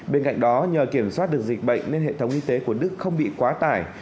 bên cạnh đó nhờ kiểm soát được dịch bệnh nên hệ thống y tế của đức không bị quá tải